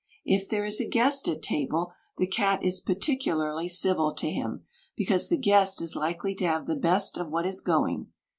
If there is a guest at table the cat is particularly civil to him, because the guest is likely to have the best of what is going.